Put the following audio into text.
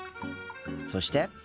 そして。